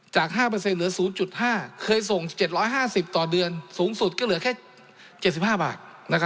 จาก๕เหลือ๐๕เคยส่ง๗๕๐ต่อเดือนสูงสุดก็เหลือแค่๗๕บาท